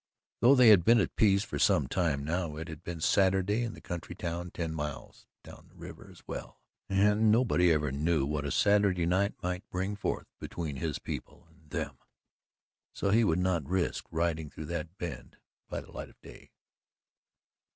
Though they had been at peace for some time now, it had been Saturday in the county town ten miles down the river as well, and nobody ever knew what a Saturday might bring forth between his people and them. So he would not risk riding through that bend by the light of day.